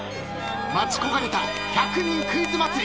待ち焦がれた１００人クイズ祭り。